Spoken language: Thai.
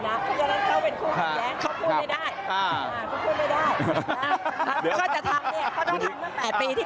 เพราะฉะนั้นเขาเป็นคู่ขัดแย้งเขาพูดไม่ได้